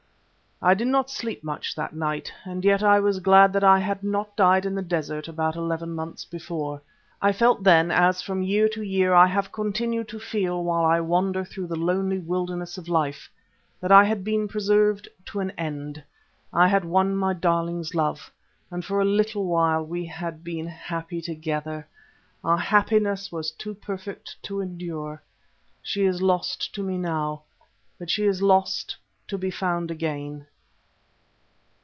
I did not sleep much that night. And yet I was glad that I had not died in the desert about eleven months before. I felt then, as from year to year I have continued to feel while I wander through the lonely wilderness of life, that I had been preserved to an end. I had won my darling's love, and for a little while we had been happy together. Our happiness was too perfect to endure. She is lost to me now, but she is lost to be found again.